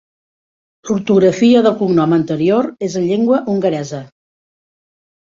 L'ortografia del cognom anterior és en llengua hongaresa.